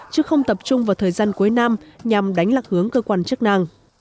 chứ không tập trung vào thời gian cuối năm nhằm đánh lạc hướng cơ quan chức năng